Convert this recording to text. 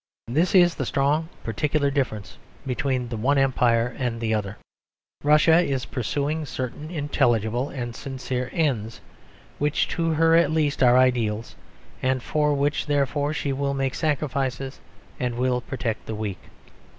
This is the strong particular difference between the one empire and the other. Russia is pursuing certain intelligible and sincere ends, which to her at least are ideals, and for which, therefore, she will make sacrifices and will protect the weak.